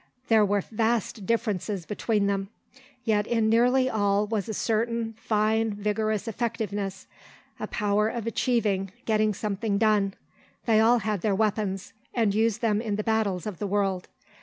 There were vast differences between them, yet in nearly all was a certain fine, vigorous effectiveness, a power of achieving, getting something done. They all had their weapons, and used them in the battles of the world.